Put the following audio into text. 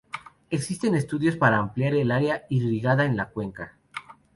Existen estudios para ampliar el área irrigada en la cuenca.